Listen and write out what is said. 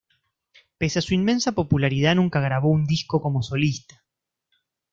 Pese a su inmensa popularidad, nunca grabó un disco como solista.